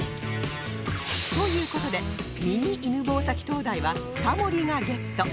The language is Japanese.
という事でミニ犬吠埼灯台はタモリがゲット